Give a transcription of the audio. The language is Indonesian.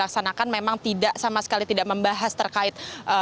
laksanakan memang tidak sama sekali tidak membahas terkait